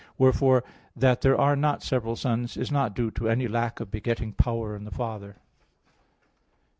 Wherefore that there are not several Sons is not due to any lack of begetting power in the Father.